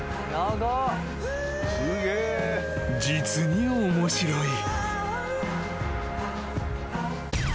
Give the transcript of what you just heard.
［実に面白い］